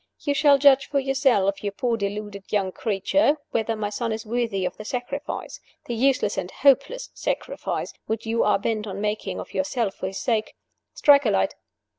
You shall judge for yourself, you poor deluded young creature, whether my son is worthy of the sacrifice the useless and hopeless sacrifice which you are bent on making of yourself for his sake. Strike a light!"